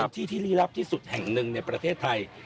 ที่ที่ลี้ลับที่สุดแห่งหนึ่งในประเทศไทย